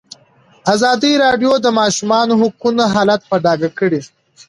ازادي راډیو د د ماشومانو حقونه حالت په ډاګه کړی.